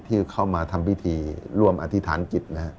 ที่เข้ามาทำพิธีร่วมอธิษฐานกิจนะฮะ